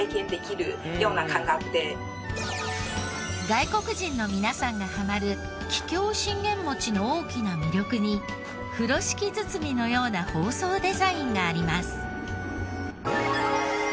外国人の皆さんがハマる桔梗信玄餅の大きな魅力に風呂敷包みのような包装デザインがあります。